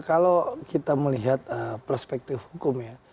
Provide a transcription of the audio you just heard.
kalau kita melihat perspektif hukum ya